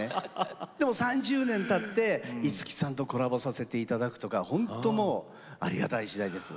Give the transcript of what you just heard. でも３０年たって、五木さんとコラボさせていただくとか本当にありがたい時代です。